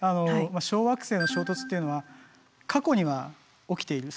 小惑星の衝突っていうのは過去には起きている。